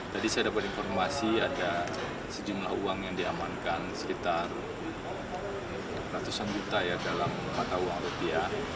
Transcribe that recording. tadi saya dapat informasi ada sejumlah uang yang diamankan sekitar ratusan juta ya dalam mata uang rupiah